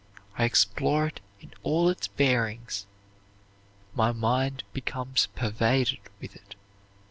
I explore it in all its bearings. My mind becomes pervaded with it.